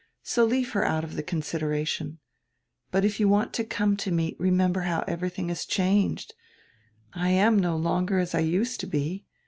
So leave her out of the consideration. But if you want to come to me remember how everything has changed. I am no longer as I used to be.